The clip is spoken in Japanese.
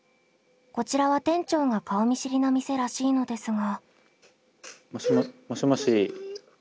こちらは店長が顔見知りの店らしいのですが。